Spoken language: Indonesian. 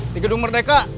di gedung merdeka